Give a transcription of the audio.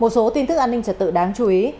một số tin tức an ninh trật tự đáng chú ý